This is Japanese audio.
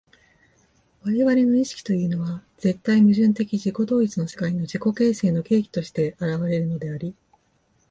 我々の意識というのは絶対矛盾的自己同一の世界の自己形成の契機として現れるのであり、